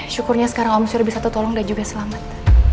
syukurnya sekarang om syur bisa tertolong dan juga selamat